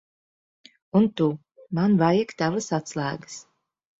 Un tu. Man vajag tavas atslēgas.